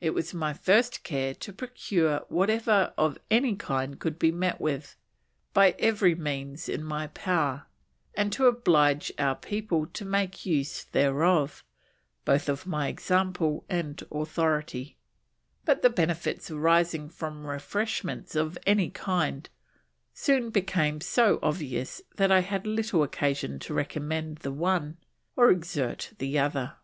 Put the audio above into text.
It was my first care to procure whatever of any kind could be met with, by every means in my power, and to oblige our people to make use thereof, both by my example and authority; but the benefits arising from refreshments of any kind soon became so obvious that I had little occasion to recommend the one or exert the other."